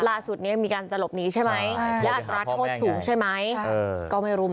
ก็ลาสุดนี้มีการจะหลบหนีใช่ไหม